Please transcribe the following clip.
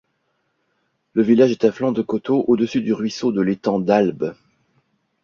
Le village est à flanc de coteau au-dessus du ruisseau de l'Étang d'Albe.